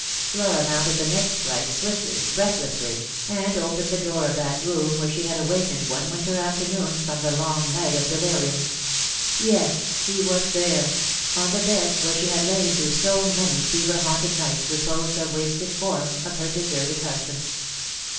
Flora mounted the next flight swiftly, breath lessly, and opened the door of that room where she had awakened one winter afternoon from the long night of delirium. Tes, he was there ; on the bed where she had lain through so many fever haunted nights reposed the wasted form of her deserted husband.